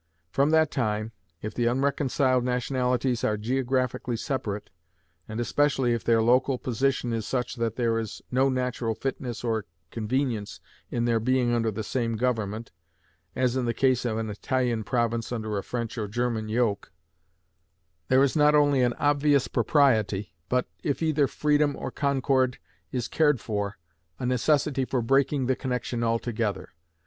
From that time, if the unreconciled nationalities are geographically separate, and especially if their local position is such that there is no natural fitness or convenience in their being under the same government (as in the case of an Italian province under a French or German yoke), there is not only an obvious propriety, but, if either freedom or concord is cared for, a necessity for breaking the connection altogether.